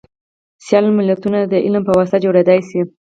سیال ملتونه دعلم په واسطه جوړیدلی شي